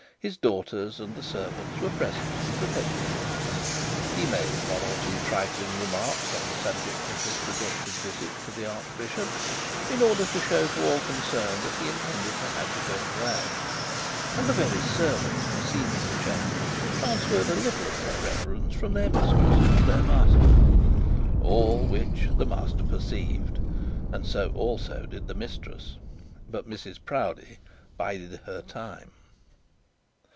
His daughters and the servants were present and protected him. He made one or two trifling remarks on the subject of his projected visit to the archbishop, in order to show to all concerned that he intended to have his own way; and the very servants perceiving the change transferred a little of their reverence from their mistress to their master. All which the master perceived; and so also did the mistress. But Mrs Proudie bided her time.